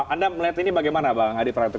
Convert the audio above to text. anda melihat ini bagaimana bang adi praetno